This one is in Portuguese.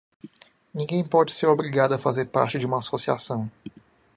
Ninguém pode ser obrigado a fazer parte de uma associação.